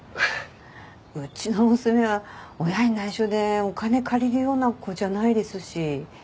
うちの娘は親に内緒でお金借りるような子じゃないですし。